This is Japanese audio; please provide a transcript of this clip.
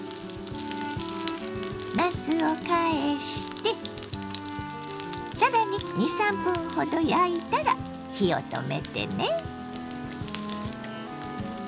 なすを返して更に２３分ほど焼いたら火を止めてね。